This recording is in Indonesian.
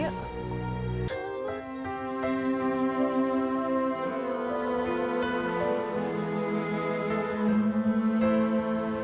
kamu dimana nay